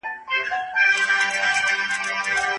د رحمان بابا ژبه خوږه وه.